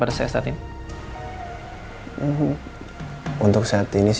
pertama kali mas malam lagi huruf yang luar biasa